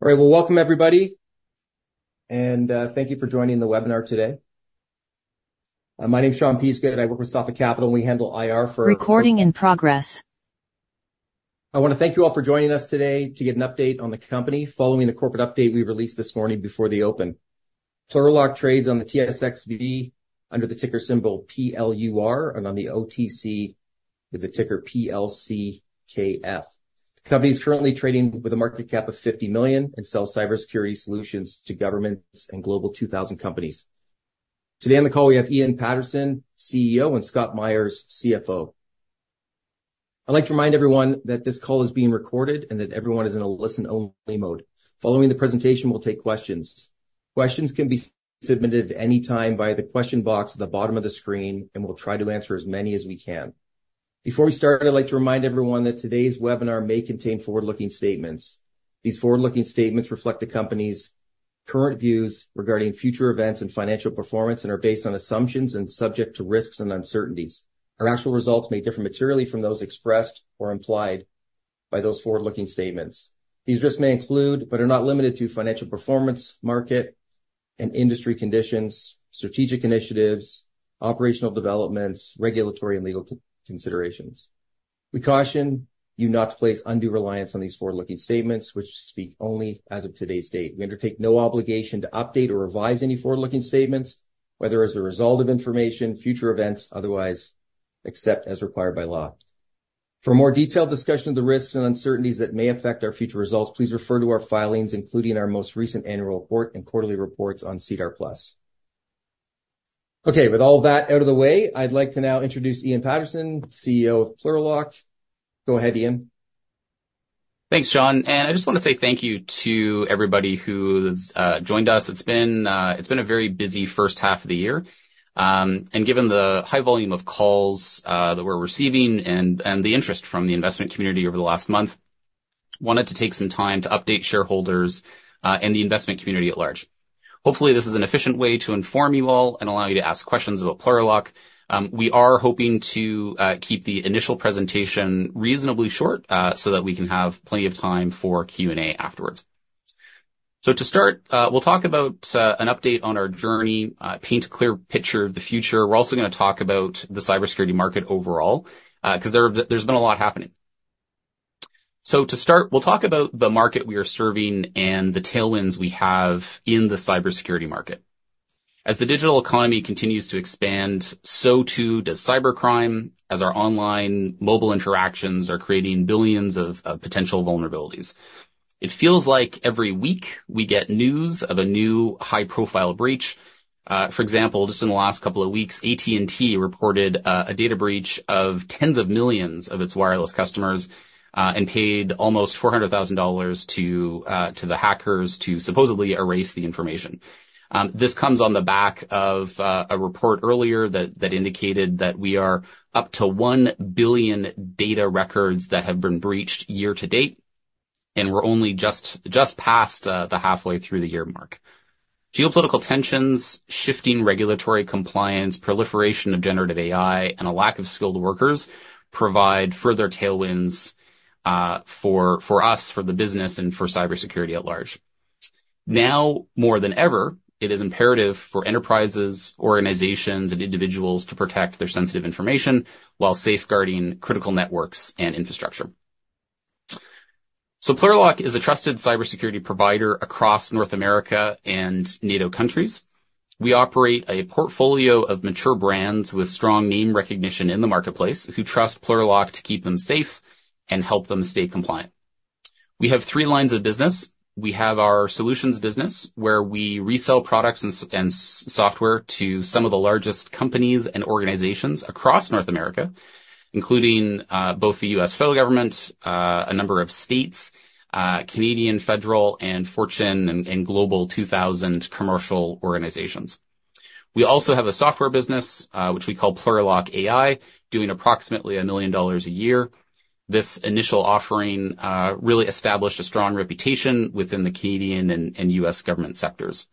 All right, well, welcome everybody, and thank you for joining the webinar today. My name's Sean Peasgood, and I work with Sophic Capital, and we handle IR for. Recording in progress. I want to thank you all for joining us today to get an update on the company following the corporate update we released this morning before the open. Plurilock trades on the TSXV under the ticker symbol PLUR, and on the OTC with the ticker PLCKF. The company is currently trading with a market cap of 50 million and sells cybersecurity solutions to governments and Global 2000 companies. Today on the call, we have Ian Paterson, CEO, and Scott Myers, CFO. I'd like to remind everyone that this call is being recorded and that everyone is in a listen-only mode. Following the presentation, we'll take questions. Questions can be submitted at any time via the question box at the bottom of the screen, and we'll try to answer as many as we can. Before we start, I'd like to remind everyone that today's webinar may contain forward-looking statements. These forward-looking statements reflect the company's current views regarding future events and financial performance and are based on assumptions and subject to risks and uncertainties. Our actual results may differ materially from those expressed or implied by those forward-looking statements. These risks may include, but are not limited to, financial performance, market and industry conditions, strategic initiatives, operational developments, regulatory, and legal considerations. We caution you not to place undue reliance on these forward-looking statements, which speak only as of today's date. We undertake no obligation to update or revise any forward-looking statements, whether as a result of information, future events, otherwise, except as required by law. For a more detailed discussion of the risks and uncertainties that may affect our future results, please refer to our filings, including our most recent annual report and quarterly reports on SEDAR+. Okay, with all that out of the way, I'd like to now introduce Ian Paterson, CEO of Plurilock. Go ahead, Ian. Thanks, Sean. I just want to say thank you to everybody who's joined us. It's been a very busy first half of the year. Given the high volume of calls that we're receiving and the interest from the investment community over the last month, I wanted to take some time to update shareholders and the investment community at large. Hopefully, this is an efficient way to inform you all and allow you to ask questions about Plurilock. We are hoping to keep the initial presentation reasonably short so that we can have plenty of time for Q&A afterwards. To start, we'll talk about an update on our journey, paint a clear picture of the future. We're also going to talk about the cybersecurity market overall because there's been a lot happening. So to start, we'll talk about the market we are serving and the tailwinds we have in the cybersecurity market. As the digital economy continues to expand, so too does cybercrime, as our online mobile interactions are creating billions of potential vulnerabilities. It feels like every week we get news of a new high-profile breach. For example, just in the last couple of weeks, AT&T reported a data breach of tens of millions of its wireless customers and paid almost $400,000 to the hackers to supposedly erase the information. This comes on the back of a report earlier that indicated that we are up to 1 billion data records that have been breached year to date, and we're only just past the halfway through the year mark. Geopolitical tensions, shifting regulatory compliance, proliferation of generative AI, and a lack of skilled workers provide further tailwinds for us, for the business, and for cybersecurity at large. Now more than ever, it is imperative for enterprises, organizations, and individuals to protect their sensitive information while safeguarding critical networks and infrastructure. Plurilock is a trusted cybersecurity provider across North America and NATO countries. We operate a portfolio of mature brands with strong name recognition in the marketplace who trust Plurilock to keep them safe and help them stay compliant. We have three lines of business. We have our solutions business, where we resell products and software to some of the largest companies and organizations across North America, including both the U.S. federal government, a number of states, Canadian federal, and Fortune Global 2000 commercial organizations. We also have a software business, which we call Plurilock AI, doing approximately $1 million a year. This initial offering really established a strong reputation within the Canadian and U.S. government sectors.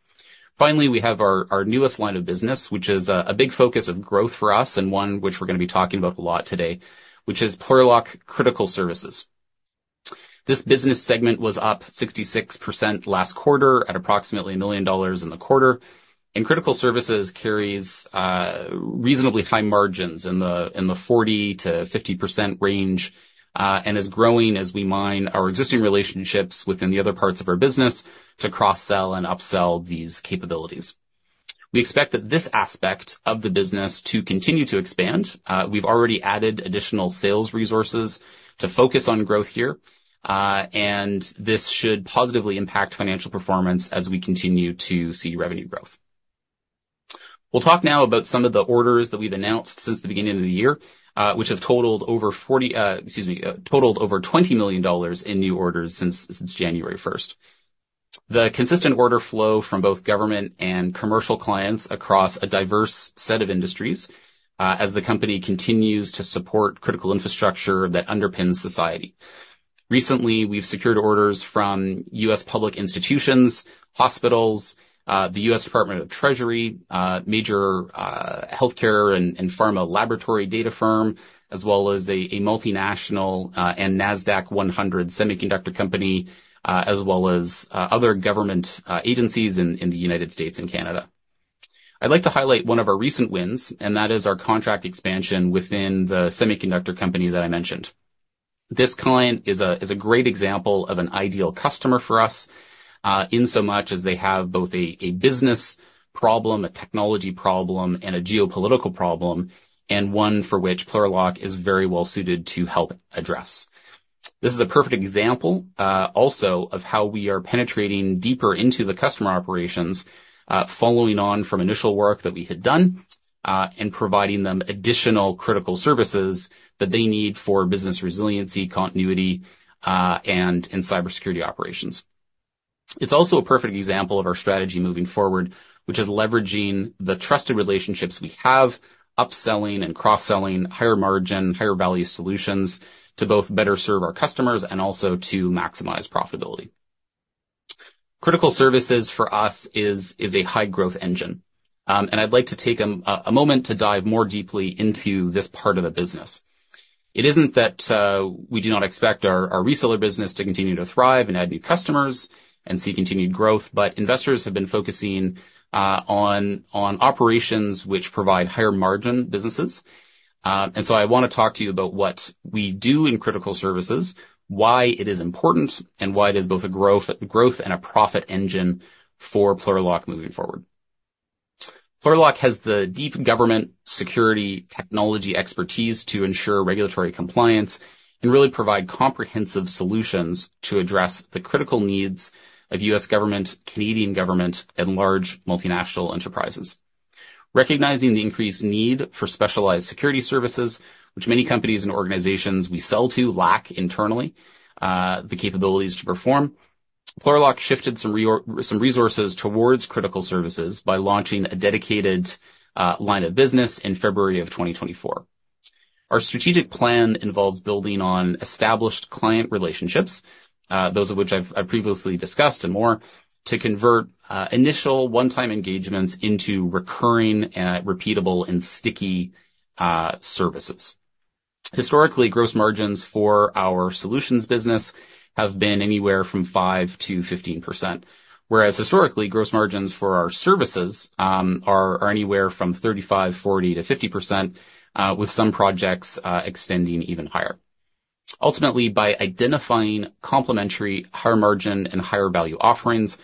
Finally, we have our newest line of business, which is a big focus of growth for us and one which we're going to be talking about a lot today, which is Plurilock Critical Services. This business segment was up 66% last quarter at approximately $1 million in the quarter. Critical Services carries reasonably high margins in the 40%-50% range and is growing, as we mind our existing relationships within the other parts of our business to cross-sell and upsell these capabilities. We expect that this aspect of the business to continue to expand. We've already added additional sales resources to focus on growth here, and this should positively impact financial performance as we continue to see revenue growth. We'll talk now about some of the orders that we've announced since the beginning of the year, which have totaled over $20 million in new orders since January 1st. The consistent order flow from both government and commercial clients across a diverse set of industries, as the company continues to support critical infrastructure that underpins society. Recently, we've secured orders from U.S. public institutions, hospitals, the U.S. Department of the Treasury, major healthcare and pharma laboratory data firm, as well as a multinational and Nasdaq 100 semiconductor company, as well as other government agencies in the United States and Canada. I'd like to highlight one of our recent wins, and that is our contract expansion within the semiconductor company that I mentioned. This client is a great example of an ideal customer for us, in so much as they have both a business problem, a technology problem, and a geopolitical problem, and one for which Plurilock is very well suited to help address. This is a perfect example also of how we are penetrating deeper into the customer operations, following on from initial work that we had done, and providing them additional Critical Services that they need for business resiliency, continuity, and cybersecurity operations. It's also a perfect example of our strategy moving forward, which is leveraging the trusted relationships we have, upselling and cross-selling higher margin, higher value solutions to both better serve our customers and also to maximize profitability. Critical Services for us is a high-growth engine, and I'd like to take a moment to dive more deeply into this part of the business. It isn't that we do not expect our reseller business to continue to thrive and add new customers and see continued growth, but investors have been focusing on operations which provide higher margin businesses. So I want to talk to you about what we do in Critical Services, why it is important, and why it is both a growth and a profit engine for Plurilock moving forward. Plurilock has the deep government security technology expertise to ensure regulatory compliance and really provide comprehensive solutions to address the critical needs of U.S. government, Canadian government, and large multinational enterprises. Recognizing the increased need for specialized security services, which many companies and organizations we sell to lack internally the capabilities to perform, Plurilock shifted some resources towards Critical Services by launching a dedicated line of business in February of 2024. Our strategic plan involves building on established client relationships, those of which I've previously discussed and more, to convert initial one-time engagements into recurring, repeatable, and sticky services. Historically, gross margins for our solutions business have been anywhere from 5%-15%, whereas historically, gross margins for our services are anywhere from 35%, 40%, to 50%, with some projects extending even higher. Ultimately, by identifying complementary higher margin and higher value offerings,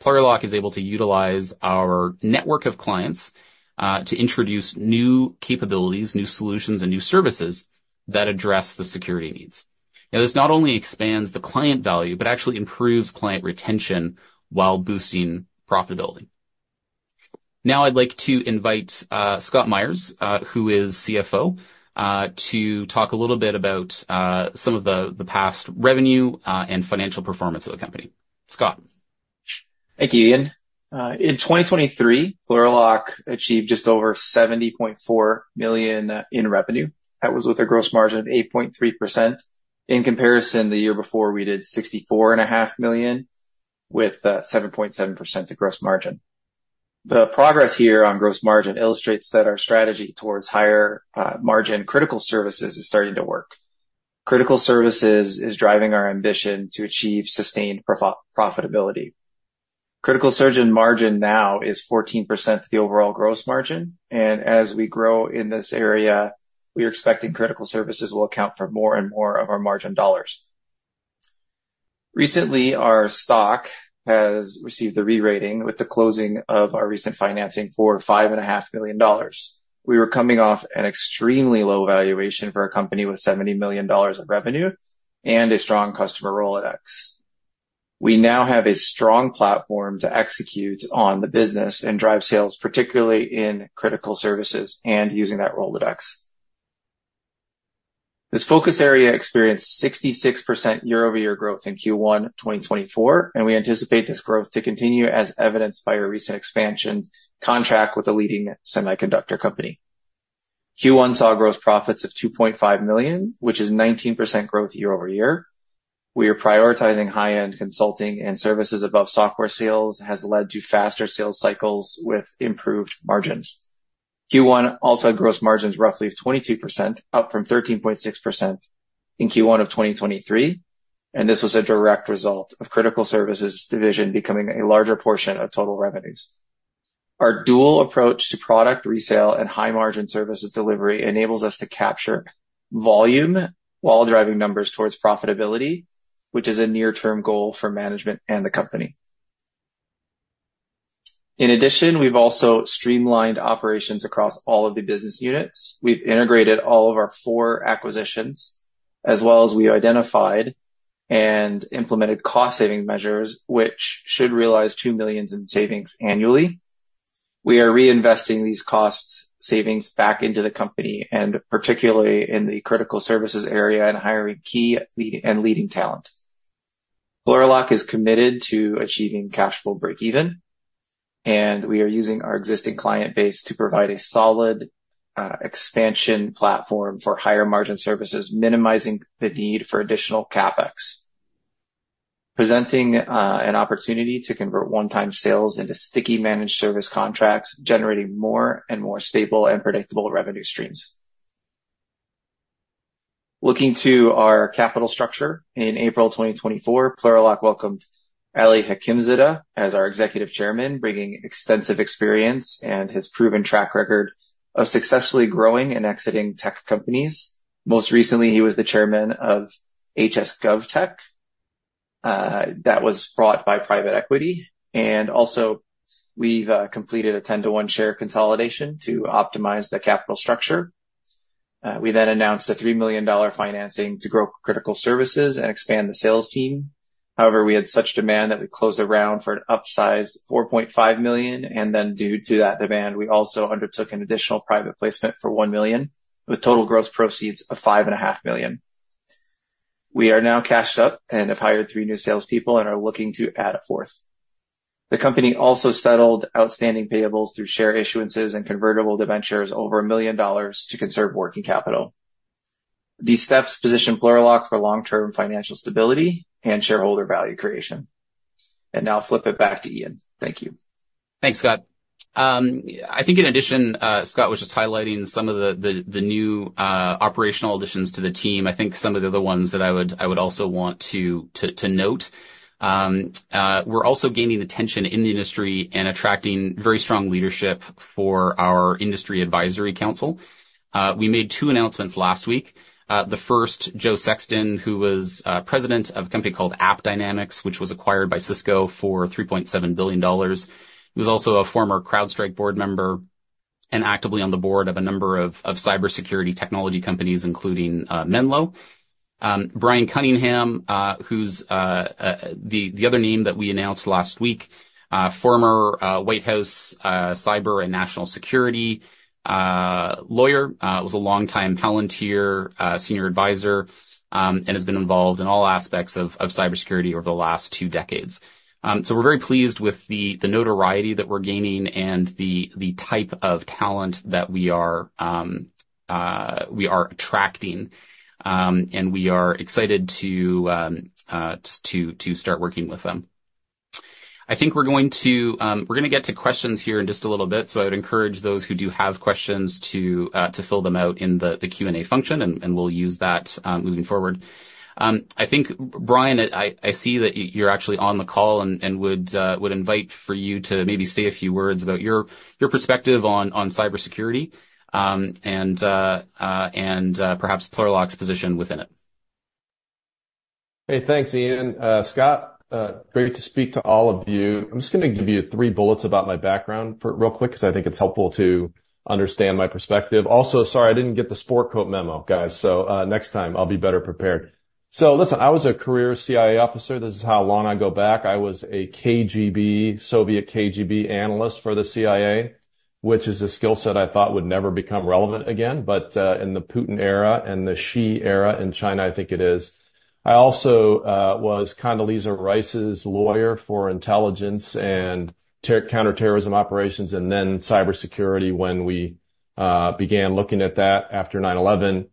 Plurilock is able to utilize our network of clients to introduce new capabilities, new solutions, and new services that address the security needs. Now, this not only expands the client value, but actually improves client retention while boosting profitability. Now, I'd like to invite Scott Myers, who is CFO, to talk a little bit about some of the past revenue and financial performance of the company. Scott. Thank you, Ian. In 2023, Plurilock achieved just over $70.4 million in revenue. That was with a gross margin of 8.3%. In comparison, the year before, we did $64.5 million with 7.7% gross margin. The progress here on gross margin illustrates that our strategy towards higher margin Critical Services is starting to work. Critical Services is driving our ambition to achieve sustained profitability. Critical Services margin now is 14% of the overall gross margin, and as we grow in this area, we are expecting Critical Services will account for more and more of our margin dollars. Recently, our stock has received a re-rating with the closing of our recent financing for $5.5 million. We were coming off an extremely low valuation for a company with $70 million of revenue and a strong customer Rolodex. We now have a strong platform to execute on the business and drive sales, particularly in Critical Services and using that Rolodex. This focus area experienced 66% year-over-year growth in Q1 2024, and we anticipate this growth to continue as evidenced by our recent expansion contract with a leading semiconductor company. Q1 saw gross profits of $2.5 million, which is 19% growth year-over-year. We are prioritizing high-end consulting and services above software sales has led to faster sales cycles with improved margins. Q1 also had gross margins roughly of 22%, up from 13.6% in Q1 of 2023, and this was a direct result of Critical Services' division becoming a larger portion of total revenues. Our dual approach to product resale and high-margin services delivery enables us to capture volume while driving numbers towards profitability, which is a near-term goal for management and the company. In addition, we've also streamlined operations across all of the business units. We've integrated all of our four acquisitions, as well as we identified and implemented cost-saving measures, which should realize 2 million in savings annually. We are reinvesting these cost savings back into the company and particularly in the Critical Services area and hiring key and leading talent. Plurilock is committed to achieving cash flow breakeven, and we are using our existing client base to provide a solid expansion platform for higher margin services, minimizing the need for additional CapEx, presenting an opportunity to convert one-time sales into sticky managed service contracts, generating more and more stable and predictable revenue streams. Looking to our capital structure, in April 2024, Plurilock welcomed Ali Hakimzadeh as our Executive Chairman, bringing extensive experience and his proven track record of successfully growing and exiting tech companies. Most recently, he was the chairman of HS GovTech that was bought by private equity. Also, we've completed a 10-to-1 share consolidation to optimize the capital structure. We then announced a 3 million dollar financing to grow Critical Services and expand the sales team. However, we had such demand that we closed the round for an upsized 4.5 million, and then due to that demand, we also undertook an additional private placement for 1 million with total gross proceeds of 5.5 million. We are now cashed up and have hired three new salespeople and are looking to add a fourth. The company also settled outstanding payables through share issuances and convertible debentures over 1 million dollars to conserve working capital. These steps position Plurilock for long-term financial stability and shareholder value creation. Now I'll flip it back to Ian. Thank you. Thanks, Scott. I think in addition, Scott was just highlighting some of the new operational additions to the team. I think some of the other ones that I would also want to note. We're also gaining attention in the industry and attracting very strong leadership for our Industry Advisory Council. We made two announcements last week. The first, Joe Sexton, who was president of a company called AppDynamics, which was acquired by Cisco for $3.7 billion. He was also a former CrowdStrike board member and actively on the board of a number of cybersecurity technology companies, including Menlo. Bryan Cunningham, who's the other name that we announced last week, former White House cyber and national security lawyer, was a longtime Palantir senior advisor and has been involved in all aspects of cybersecurity over the last two decades. So we're very pleased with the notoriety that we're gaining and the type of talent that we are attracting, and we are excited to start working with them. I think we're going to get to questions here in just a little bit, so I would encourage those who do have questions to fill them out in the Q&A function, and we'll use that moving forward. I think, Bryan, I see that you're actually on the call and would invite for you to maybe say a few words about your perspective on cybersecurity and perhaps Plurilock's position within it. Hey, thanks, Ian. Scott, great to speak to all of you. I'm just going to give you three bullets about my background real quick because I think it's helpful to understand my perspective. Also, sorry, I didn't get the sport coat memo, guys, so next time I'll be better prepared. So listen, I was a career CIA officer. This is how long I go back. I was a KGB, Soviet KGB analyst for the CIA, which is a skill set I thought would never become relevant again, but in the Putin era and the Xi era in China, I think it is. I also was Condoleezza Rice's lawyer for intelligence and counterterrorism operations and then cybersecurity when we began looking at that after 9/11,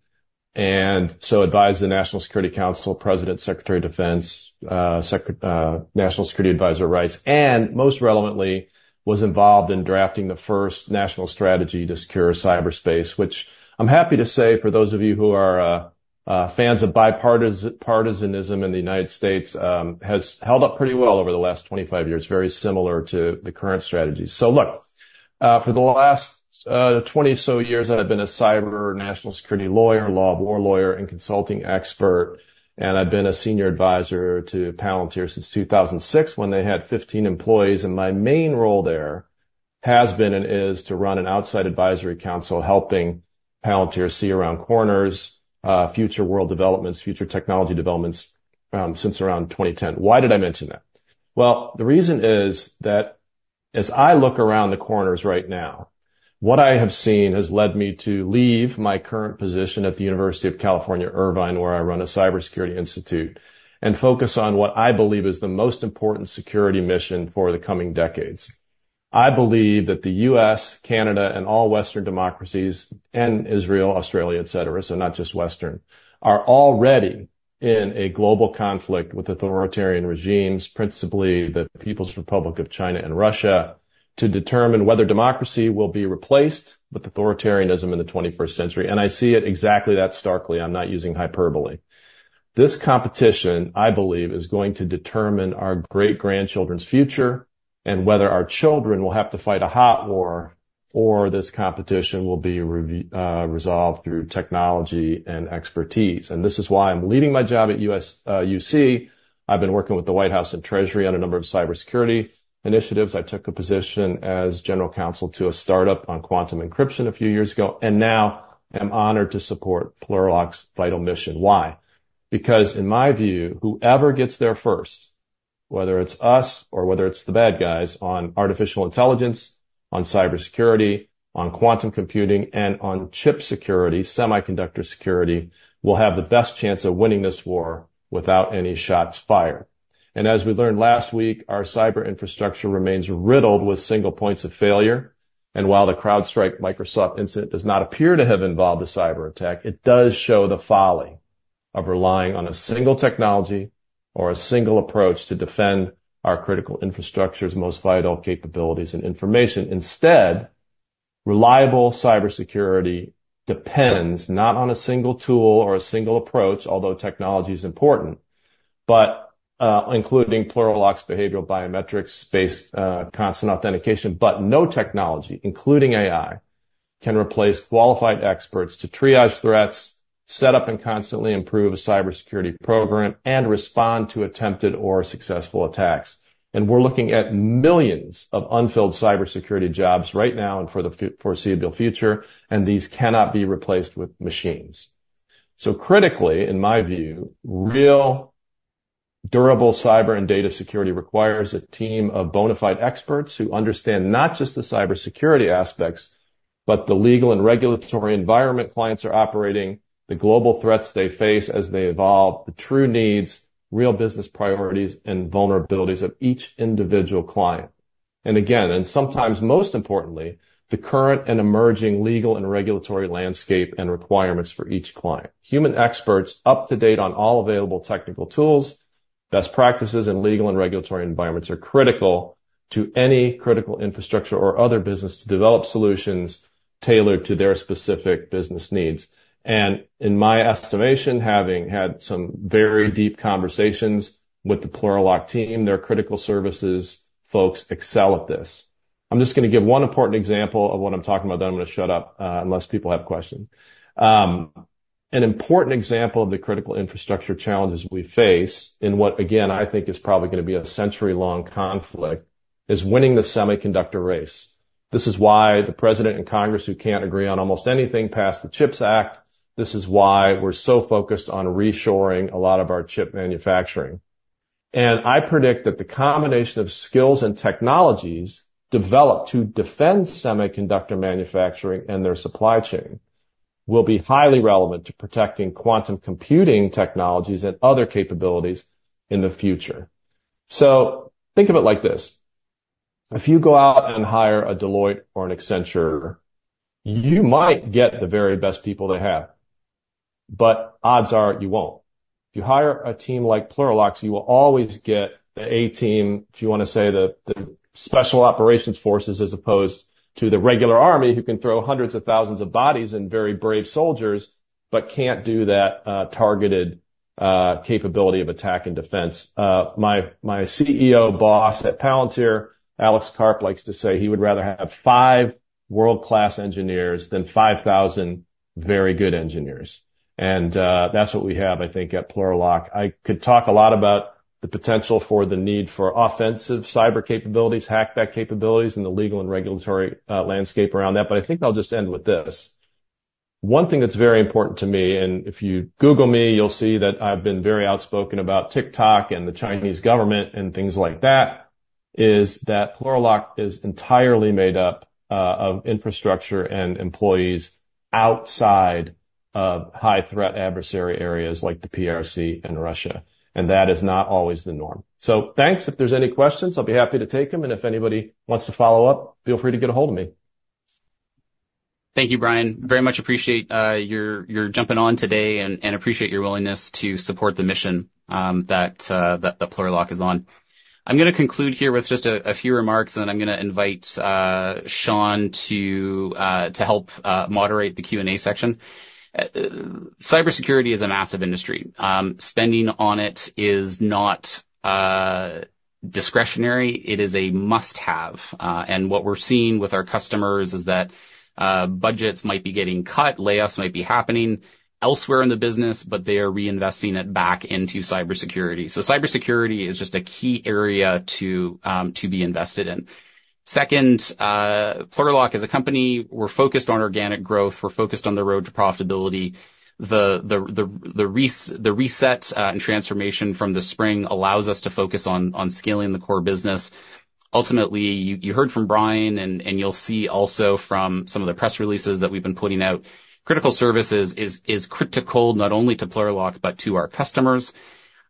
and so advised the National Security Council, President, Secretary of Defense, National Security Advisor Rice, and most relevantly, was involved in drafting the first national strategy to secure cyberspace, which I'm happy to say for those of you who are fans of bipartisanism in the United States has held up pretty well over the last 25 years, very similar to the current strategy. So look, for the last 20 or so years, I've been a cyber national security lawyer, law of war lawyer, and consulting expert, and I've been a senior advisor to Palantir since 2006 when they had 15 employees, and my main role there has been and is to run an outside advisory council helping Palantir see around corners, future world developments, future technology developments since around 2010. Why did I mention that? Well, the reason is that as I look around the corners right now, what I have seen has led me to leave my current position at the University of California, Irvine, where I run a cybersecurity institute and focus on what I believe is the most important security mission for the coming decades. I believe that the U.S., Canada, and all Western democracies and Israel, Australia, etc., so not just Western, are already in a global conflict with authoritarian regimes, principally the People's Republic of China and Russia, to determine whether democracy will be replaced with authoritarianism in the 21st century, and I see it exactly that starkly. I'm not using hyperbole. This competition, I believe, is going to determine our great-grandchildren's future and whether our children will have to fight a hot war or this competition will be resolved through technology and expertise. And this is why I'm leaving my job at UC. I've been working with the White House and Treasury on a number of cybersecurity initiatives. I took a position as general counsel to a startup on quantum encryption a few years ago, and now I'm honored to support Plurilock's vital mission. Why? Because in my view, whoever gets there first, whether it's us or whether it's the bad guys on artificial intelligence, on cybersecurity, on quantum computing, and on chip security, semiconductor security, will have the best chance of winning this war without any shots fired. As we learned last week, our cyber infrastructure remains riddled with single points of failure, and while the CrowdStrike Microsoft incident does not appear to have involved a cyber attack, it does show the folly of relying on a single technology or a single approach to defend our critical infrastructure's most vital capabilities and information. Instead, reliable cybersecurity depends not on a single tool or a single approach, although technology is important, but including Plurilock's behavioral biometrics-based constant authentication, but no technology, including AI, can replace qualified experts to triage threats, set up and constantly improve a cybersecurity program, and respond to attempted or successful attacks. And we're looking at millions of unfilled cybersecurity jobs right now and for the foreseeable future, and these cannot be replaced with machines. So critically, in my view, real durable cyber and data security requires a team of bona fide experts who understand not just the cybersecurity aspects, but the legal and regulatory environment clients are operating, the global threats they face as they evolve, the true needs, real business priorities, and vulnerabilities of each individual client. And again, and sometimes most importantly, the current and emerging legal and regulatory landscape and requirements for each client. Human experts up to date on all available technical tools, best practices, and legal and regulatory environments are critical to any critical infrastructure or other business to develop solutions tailored to their specific business needs. And in my estimation, having had some very deep conversations with the Plurilock team, their critical services folks excel at this. I'm just going to give one important example of what I'm talking about, then I'm going to shut up unless people have questions. An important example of the critical infrastructure challenges we face in what, again, I think is probably going to be a century-long conflict, is winning the semiconductor race. This is why the president and Congress who can't agree on almost anything passed the CHIPS Act. This is why we're so focused on reshoring a lot of our chip manufacturing. I predict that the combination of skills and technologies developed to defend semiconductor manufacturing and their supply chain will be highly relevant to protecting quantum computing technologies and other capabilities in the future. So think of it like this. If you go out and hire a Deloitte or an Accenture, you might get the very best people they have, but odds are you won't. If you hire a team like Plurilock, you will always get the A team, if you want to say the special operations forces, as opposed to the regular army who can throw hundreds of thousands of bodies and very brave soldiers, but can't do that targeted capability of attack and defense. My CEO boss at Palantir, Alex Karp, likes to say he would rather have five world-class engineers than 5,000 very good engineers. That's what we have, I think, at Plurilock. I could talk a lot about the potential for the need for offensive cyber capabilities, hackback capabilities, and the legal and regulatory landscape around that, but I think I'll just end with this. One thing that's very important to me, and if you Google me, you'll see that I've been very outspoken about TikTok and the Chinese government and things like that, is that Plurilock is entirely made up of infrastructure and employees outside of high-threat adversary areas like the PRC and Russia, and that is not always the norm. So thanks. If there's any questions, I'll be happy to take them, and if anybody wants to follow up, feel free to get a hold of me. Thank you, Bryan. Very much appreciate your jumping on today and appreciate your willingness to support the mission that Plurilock is on. I'm going to conclude here with just a few remarks, and then I'm going to invite Sean to help moderate the Q&A section. Cybersecurity is a massive industry. Spending on it is not discretionary. It is a must-have. And what we're seeing with our customers is that budgets might be getting cut, layoffs might be happening elsewhere in the business, but they are reinvesting it back into cybersecurity. So cybersecurity is just a key area to be invested in. Second, Plurilock as a company, we're focused on organic growth. We're focused on the road to profitability. The reset and transformation from the spring allows us to focus on scaling the core business. Ultimately, you heard from Bryan, and you'll see also from some of the press releases that we've been putting out, Critical Services is critical not only to Plurilock, but to our customers.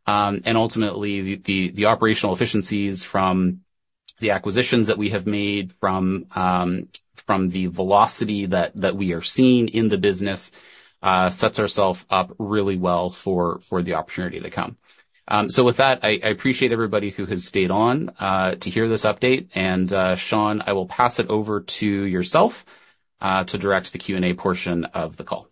And ultimately, the operational efficiencies from the acquisitions that we have made, from the velocity that we are seeing in the business, sets ourself up really well for the opportunity to come. So with that, I appreciate everybody who has stayed on to hear this update. And Sean, I will pass it over to yourself to direct the Q&A portion of the call.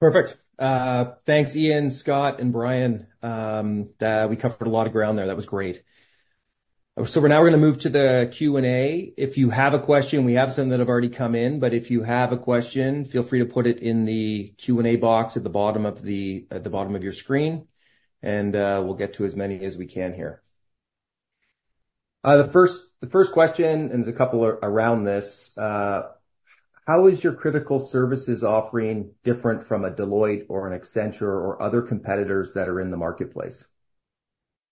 Perfect. Thanks, Ian, Scott, and Bryan. We covered a lot of ground there. That was great. So now we're going to move to the Q&A. If you have a question, we have some that have already come in, but if you have a question, feel free to put it in the Q&A box at the bottom of your screen, and we'll get to as many as we can here. The first question, and there's a couple around this, how is your critical services offering different from a Deloitte or an Accenture or other competitors that are in the marketplace?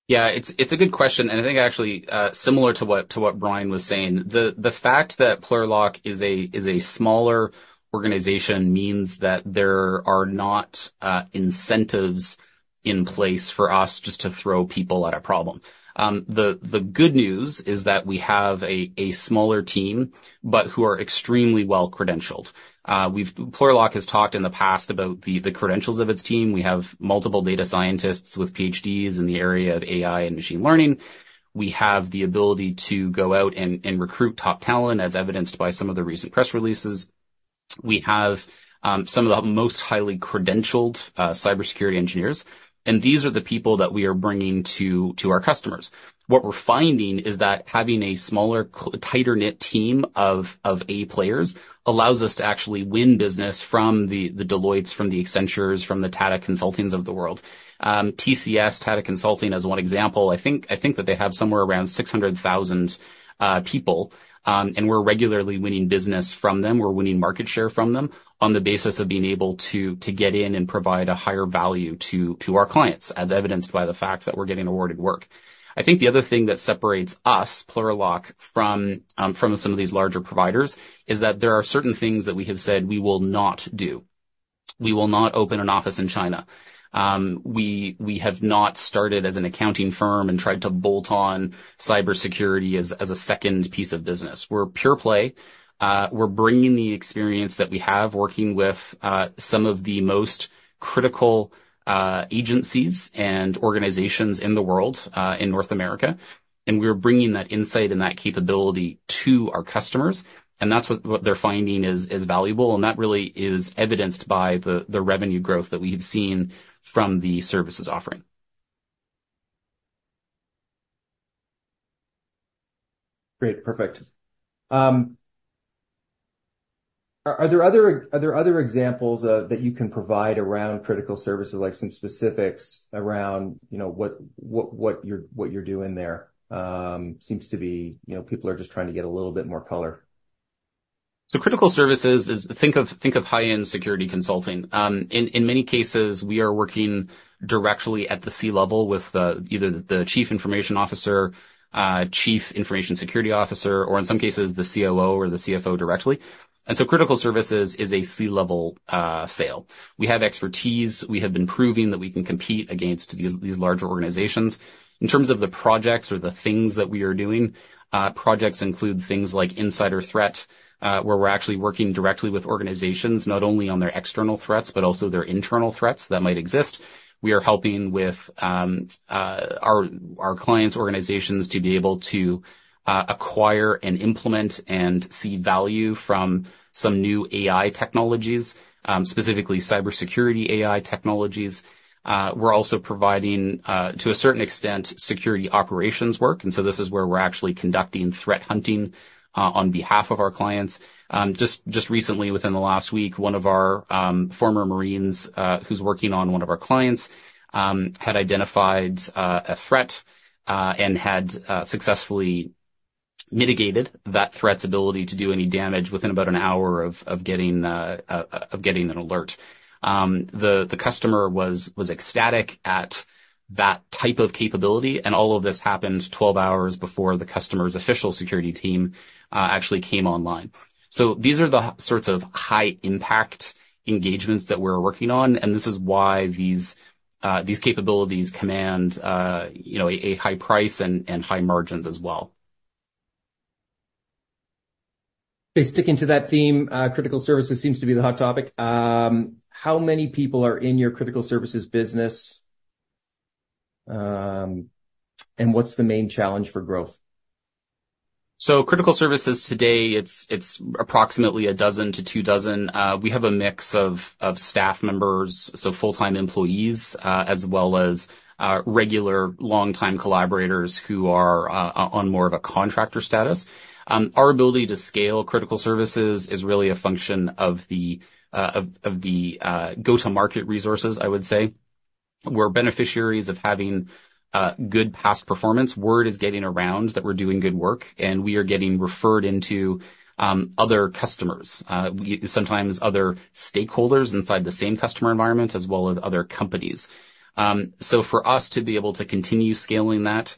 Yeah, it's a good question. And I think actually similar to what Bryan was saying, the fact that Plurilock is a smaller organization means that there are not incentives in place for us just to throw people at a problem. The good news is that we have a smaller team, but who are extremely well-credentialed. Plurilock has talked in the past about the credentials of its team. We have multiple data scientists with PhDs in the area of AI and machine learning. We have the ability to go out and recruit top talent, as evidenced by some of the recent press releases. We have some of the most highly credentialed cybersecurity engineers, and these are the people that we are bringing to our customers. What we're finding is that having a smaller, tighter-knit team of A players allows us to actually win business from the Deloittes, from the Accentures, from the Tata Consultancy Services of the world. TCS, Tata Consulting, as one example, I think that they have somewhere around 600,000 people, and we're regularly winning business from them. We're winning market share from them on the basis of being able to get in and provide a higher value to our clients, as evidenced by the fact that we're getting awarded work. I think the other thing that separates us, Plurilock, from some of these larger providers is that there are certain things that we have said we will not do. We will not open an office in China. We have not started as an accounting firm and tried to bolt on cybersecurity as a second piece of business. We're pure play. We're bringing the experience that we have working with some of the most critical agencies and organizations in the world in North America, and we're bringing that insight and that capability to our customers, and that's what they're finding is valuable, and that really is evidenced by the revenue growth that we have seen from the services offering. Great. Perfect. Are there other examples that you can provide around critical services, like some specifics around what you're doing there? Seems to be people are just trying to get a little bit more color. So, Critical Services is think of high-end security consulting. In many cases, we are working directly at the C-level with either the Chief Information Officer, Chief Information Security Officer, or in some cases, the COO or the CFO directly. And so Critical Services is a C-level sale. We have expertise. We have been proving that we can compete against these larger organizations. In terms of the projects or the things that we are doing, projects include things like insider threat, where we're actually working directly with organizations, not only on their external threats, but also their internal threats that might exist. We are helping with our clients' organizations to be able to acquire and implement and see value from some new AI technologies, specifically cybersecurity AI technologies. We're also providing, to a certain extent, security operations work, and so this is where we're actually conducting threat hunting on behalf of our clients. Just recently, within the last week, one of our former Marines who's working on one of our clients had identified a threat and had successfully mitigated that threat's ability to do any damage within about an hour of getting an alert. The customer was ecstatic at that type of capability, and all of this happened 12 hours before the customer's official security team actually came online. So these are the sorts of high-impact engagements that we're working on, and this is why these capabilities command a high price and high margins as well. Okay. Sticking to that theme, critical services seems to be the hot topic. How many people are in your critical services business, and what's the main challenge for growth? So critical services today, it's approximately 12-24. We have a mix of staff members, so full-time employees, as well as regular long-time collaborators who are on more of a contractor status. Our ability to scale critical services is really a function of the go-to-market resources, I would say. We're beneficiaries of having good past performance. Word is getting around that we're doing good work, and we are getting referred into other customers, sometimes other stakeholders inside the same customer environment, as well as other companies. So for us to be able to continue scaling that,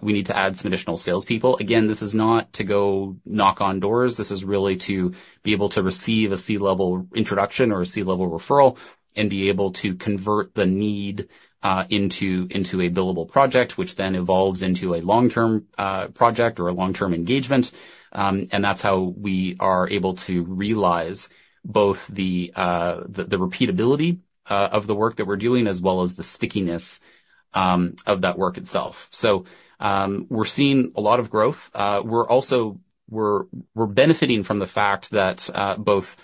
we need to add some additional salespeople. Again, this is not to go knock on doors. This is really to be able to receive a C-level introduction or a C-level referral and be able to convert the need into a billable project, which then evolves into a long-term project or a long-term engagement. That's how we are able to realize both the repeatability of the work that we're doing, as well as the stickiness of that work itself. We're seeing a lot of growth. We're benefiting from the fact that both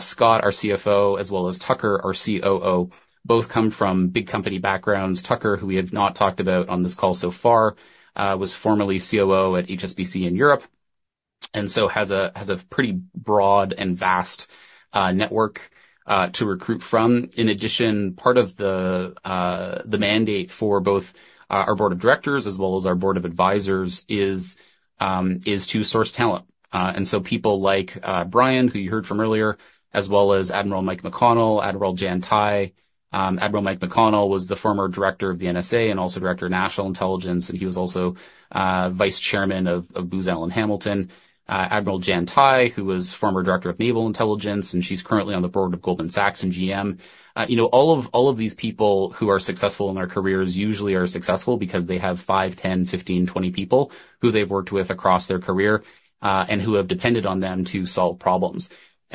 Scott, our CFO, as well as Tucker, our COO, both come from big company backgrounds. Tucker, who we have not talked about on this call so far, was formerly COO at HSBC in Europe and so has a pretty broad and vast network to recruit from. In addition, part of the mandate for both our board of directors as well as our board of advisors is to source talent. People like Bryan, who you heard from earlier, as well as Admiral Mike McConnell, Admiral Jan Tighe. Admiral Mike McConnell was the former director of the NSA and also director of national intelligence, and he was also vice chairman of Booz Allen Hamilton. Admiral Jan Tighe, who was former director of naval intelligence, and she's currently on the board of Goldman Sachs and GM. All of these people who are successful in their careers usually are successful because they have five, 10, 15, 20 people who they've worked with across their career and who have depended on them to solve problems.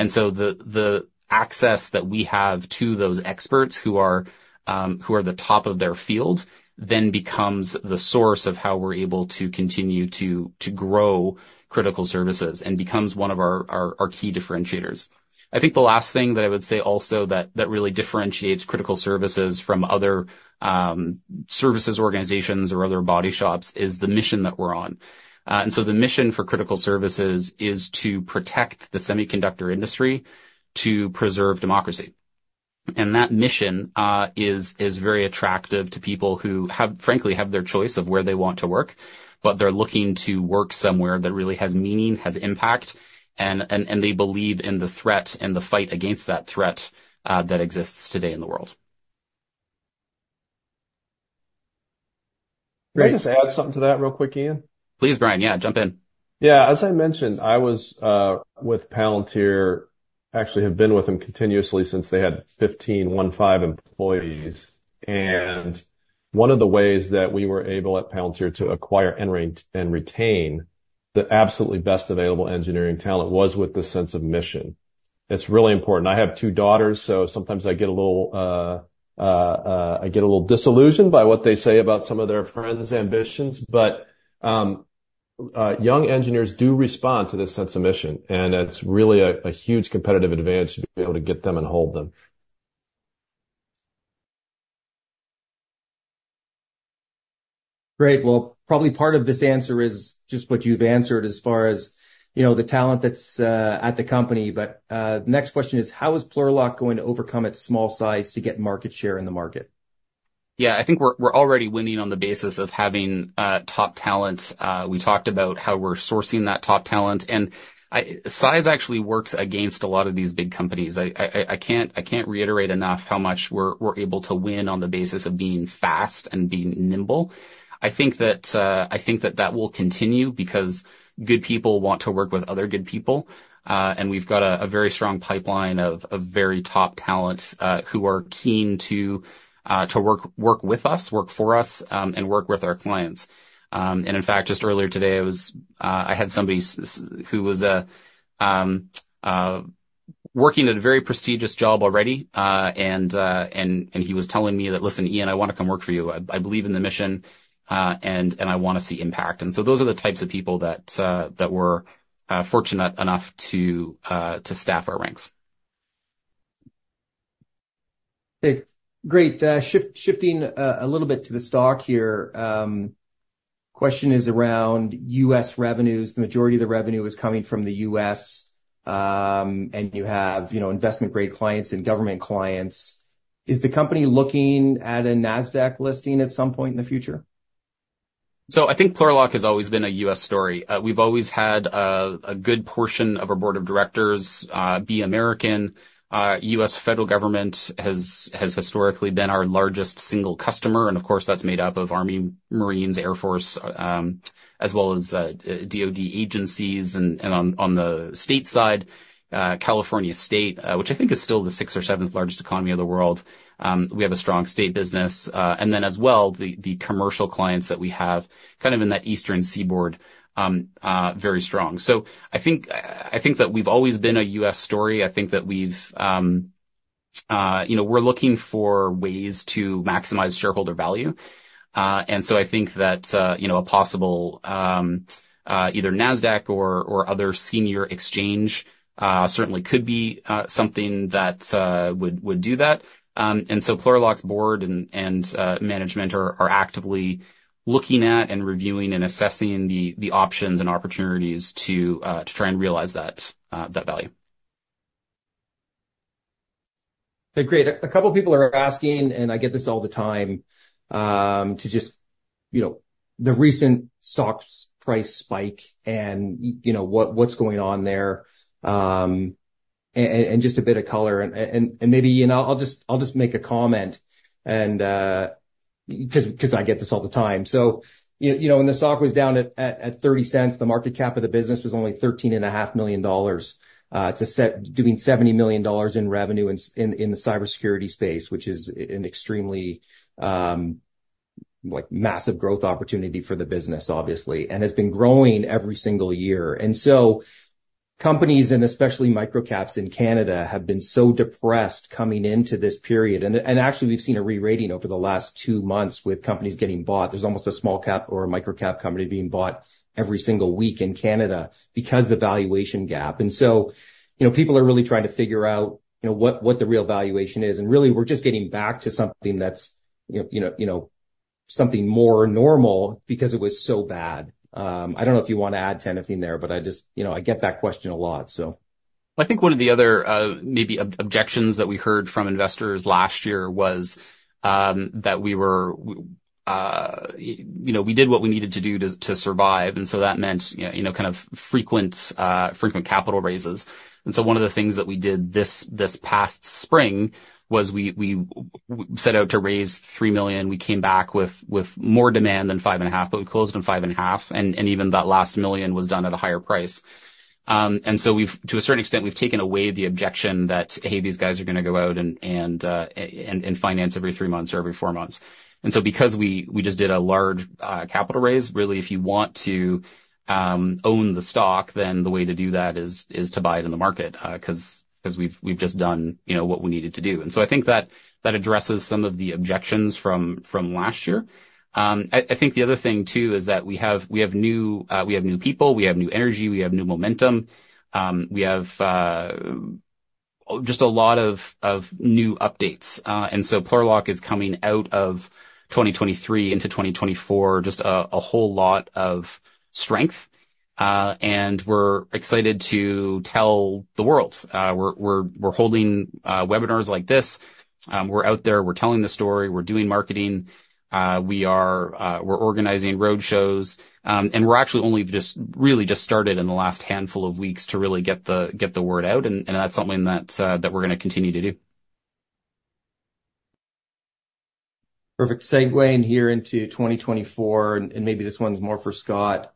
The access that we have to those experts who are the top of their field then becomes the source of how we're able to continue to grow critical services and becomes one of our key differentiators. I think the last thing that I would say also that really differentiates critical services from other services organizations or other body shops is the mission that we're on. And so the mission for critical services is to protect the semiconductor industry, to preserve democracy. And that mission is very attractive to people who, frankly, have their choice of where they want to work, but they're looking to work somewhere that really has meaning, has impact, and they believe in the threat and the fight against that threat that exists today in the world. Great. Can I just add something to that real quick, Ian? Please, Bryan. Yeah, jump in. Yeah. As I mentioned, I was with Palantir, actually have been with them continuously since they had 1,515 employees. And one of the ways that we were able at Palantir to acquire and retain the absolutely best available engineering talent was with the sense of mission. It's really important. I have two daughters, so sometimes I get a little disillusioned by what they say about some of their friends' ambitions, but young engineers do respond to this sense of mission, and it's really a huge competitive advantage to be able to get them and hold them. Great. Well, probably part of this answer is just what you've answered as far as the talent that's at the company. But the next question is, how is Plurilock going to overcome its small size to get market share in the market? Yeah. I think we're already winning on the basis of having top talent. We talked about how we're sourcing that top talent, and size actually works against a lot of these big companies. I can't reiterate enough how much we're able to win on the basis of being fast and being nimble. I think that that will continue because good people want to work with other good people, and we've got a very strong pipeline of very top talent who are keen to work with us, work for us, and work with our clients. And in fact, just earlier today, I had somebody who was working at a very prestigious job already, and he was telling me that, "Listen, Ian, I want to come work for you. I believe in the mission, and I want to see impact." So those are the types of people that were fortunate enough to staff our ranks. Okay. Great. Shifting a little bit to the stock here, question is around U.S. revenues. The majority of the revenue is coming from the U.S., and you have investment-grade clients and government clients. Is the company looking at a Nasdaq listing at some point in the future? So I think Plurilock has always been a U.S. story. We've always had a good portion of our board of directors be American. U.S. federal government has historically been our largest single customer, and of course, that's made up of Army, Marines, Air Force, as well as DoD agencies. And on the state side, California State, which I think is still the sixth or seventh largest economy of the world. We have a strong state business. And then as well, the commercial clients that we have kind of in that Eastern Seaboard, very strong. So I think that we've always been a U.S. story. I think that we're looking for ways to maximize shareholder value. And so I think that a possible either Nasdaq or other senior exchange certainly could be something that would do that. Plurilock's board and management are actively looking at and reviewing and assessing the options and opportunities to try and realize that value. Okay. Great. A couple of people are asking, and I get this all the time, to just the recent stock price spike and what's going on there and just a bit of color. And maybe I'll just make a comment because I get this all the time. So when the stock was down at 0.30, the market cap of the business was only 13.5 million dollars to doing 70 million dollars in revenue in the cybersecurity space, which is an extremely massive growth opportunity for the business, obviously, and has been growing every single year. And so companies, and especially microcaps in Canada, have been so depressed coming into this period. And actually, we've seen a re-rating over the last two months with companies getting bought. There's almost a small cap or a microcap company being bought every single week in Canada because of the valuation gap. So people are really trying to figure out what the real valuation is. Really, we're just getting back to something that's something more normal because it was so bad. I don't know if you want to add to anything there, but I get that question a lot, so. I think one of the other maybe objections that we heard from investors last year was that we did what we needed to do to survive, and so that meant kind of frequent capital raises. So one of the things that we did this past spring was we set out to raise 3 million. We came back with more demand than 5.5 million, but we closed on 5.5 million, and even that last million was done at a higher price. So to a certain extent, we've taken away the objection that, "Hey, these guys are going to go out and finance every three months or every four months." So because we just did a large capital raise, really, if you want to own the stock, then the way to do that is to buy it in the market because we've just done what we needed to do. And so I think that addresses some of the objections from last year. I think the other thing too is that we have new people, we have new energy, we have new momentum, we have just a lot of new updates. And so Plurilock is coming out of 2023 into 2024, just a whole lot of strength, and we're excited to tell the world. We're holding webinars like this. We're out there, we're telling the story, we're doing marketing, we're organizing road shows, and we're actually only just really just started in the last handful of weeks to really get the word out, and that's something that we're going to continue to do. Perfect. Segueing here into 2024, and maybe this one's more for Scott,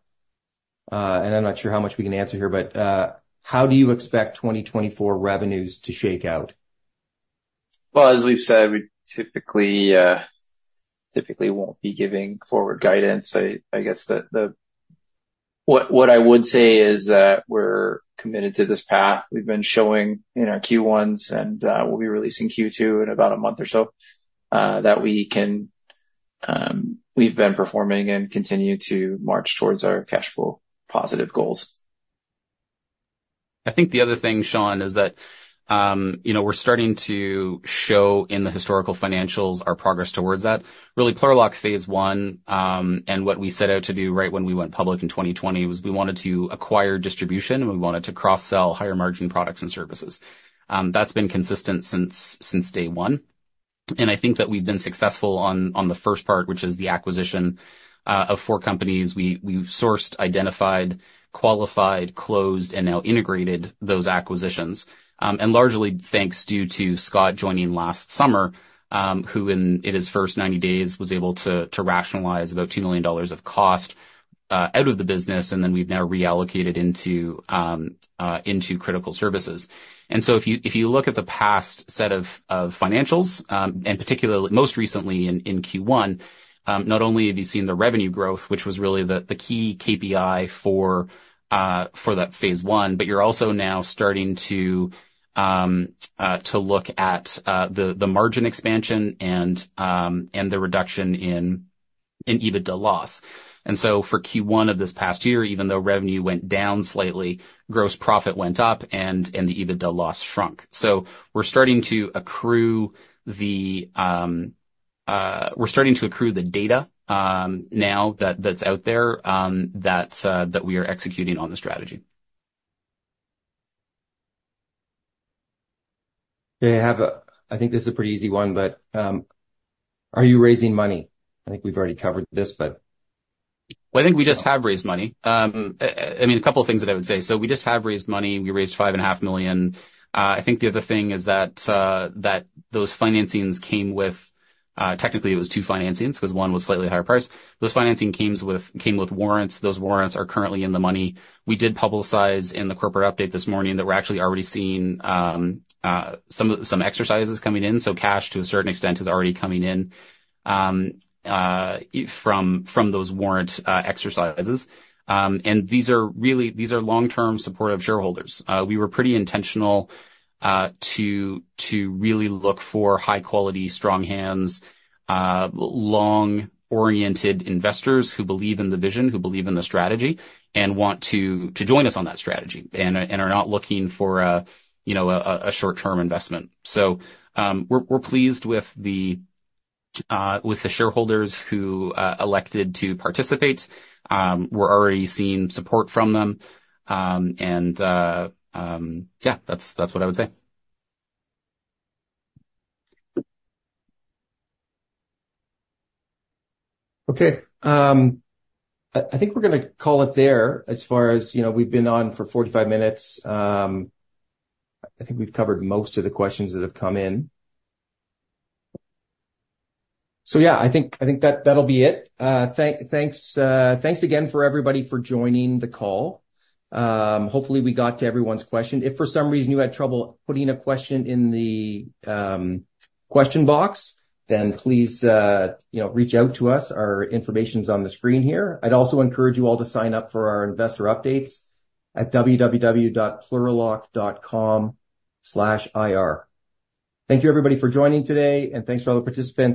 and I'm not sure how much we can answer here, but how do you expect 2024 revenues to shake out? Well, as we've said, we typically won't be giving forward guidance. I guess what I would say is that we're committed to this path. We've been showing in our Q1s, and we'll be releasing Q2 in about a month or so that we've been performing and continue to march towards our cash flow positive goals. I think the other thing, Sean, is that we're starting to show in the historical financials our progress towards that. Really, Plurilock Phase One and what we set out to do right when we went public in 2020 was we wanted to acquire distribution, and we wanted to cross-sell higher margin products and services. That's been consistent since day one. I think that we've been successful on the first part, which is the acquisition of four companies. We sourced, identified, qualified, closed, and now integrated those acquisitions. And largely thanks to Scott joining last summer, who in his first 90 days was able to rationalize about $2 million of cost out of the business, and then we've now reallocated into critical services. If you look at the past set of financials, and particularly most recently in Q1, not only have you seen the revenue growth, which was really the key KPI for that phase one, but you're also now starting to look at the margin expansion and the reduction in EBITDA loss. For Q1 of this past year, even though revenue went down slightly, gross profit went up, and the EBITDA loss shrunk. We're starting to accrue the data now that's out there that we are executing on the strategy. I think this is a pretty easy one, but are you raising money? I think we've already covered this, but. Well, I think we just have raised money. I mean, a couple of things that I would say. So we just have raised money. We raised 5.5 million. I think the other thing is that those financings came with technically, it was two financings because one was slightly higher price. Those financing came with warrants. Those warrants are currently in the money. We did publicize in the corporate update this morning that we're actually already seeing some exercises coming in. So cash to a certain extent is already coming in from those warrant exercises. And these are long-term supportive shareholders. We were pretty intentional to really look for high-quality, strong hands, long-oriented investors who believe in the vision, who believe in the strategy, and want to join us on that strategy and are not looking for a short-term investment. So we're pleased with the shareholders who elected to participate. We're already seeing support from them. And yeah, that's what I would say. Okay. I think we're going to call it there as far as we've been on for 45 minutes. I think we've covered most of the questions that have come in. So yeah, I think that'll be it. Thanks again for everybody for joining the call. Hopefully, we got to everyone's question. If for some reason you had trouble putting a question in the question box, then please reach out to us. Our information's on the screen here. I'd also encourage you all to sign up for our investor updates at www.plurilock.com/ir. Thank you, everybody, for joining today, and thanks to all the participants.